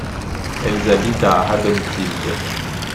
Elles habitent à Haddonfield.